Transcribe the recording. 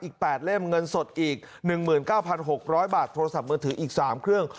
อีก๘เล่มเงินสดอีก๑๙๖๐๐บาทโทรศัพท์มือถืออีก๓เครื่อง